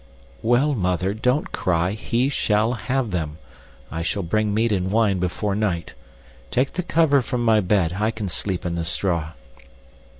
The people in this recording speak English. "Well, Mother, don't cry, HE SHALL HAVE THEM. I shall bring meat and wine before night. Take the cover from my bed. I can sleep in the straw."